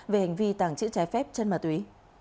về hành vi tàng trữ trái phép chân mạ tuy